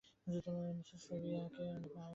Mrs সেভিয়ারকে দেখতে মায়াবতী গিয়েছিলাম।